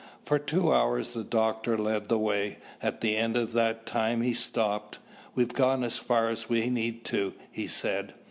For two hours the doctor led the way. At the end of that time he stopped. "We've gone as far as we need to," he said.